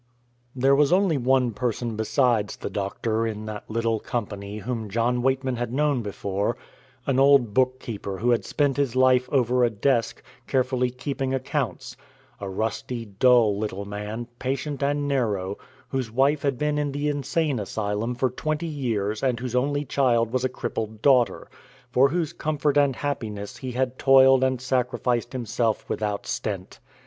There was only one person besides the doctor in that little company whom John Weightman had known before an old bookkeeper who had spent his life over a desk, carefully keeping accounts a rusty, dull little man, patient and narrow, whose wife had been in the insane asylum for twenty years and whose only child was a crippled daughter, for whose comfort and happiness he had toiled and sacrificed himself without stint.